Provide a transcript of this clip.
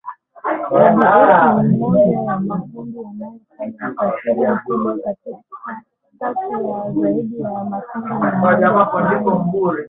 ADF ni mmoja ya makundi yanayofanya ukatili mkubwa kati ya zaidi ya makundi mia moja ishirini